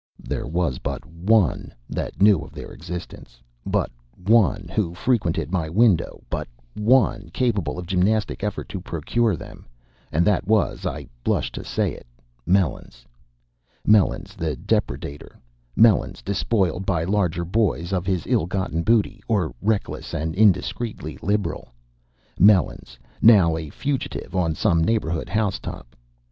There was but one that knew of their existence, but one who frequented my window, but one capable of gymnastic effort to procure them, and that was I blush to say it Melons. Melons the depredator Melons, despoiled by larger boys of his ill gotten booty, or reckless and indiscreetly liberal; Melons now a fugitive on some neighborhood house top.